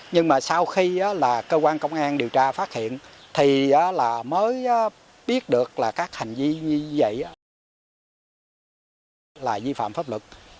nhưng mà sau khi là cơ quan công an điều tra phát hiện thì mới biết được là các hành vi như vậy là vi phạm pháp luật